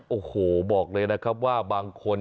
โอ้โหบอกเลยนะครับว่าบางคน